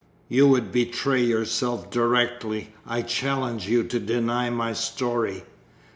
You would betray yourself directly I challenged you to deny my story....